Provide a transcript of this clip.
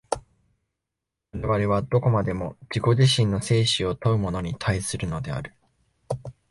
我々はどこまでも自己自身の生死を問うものに対するのである。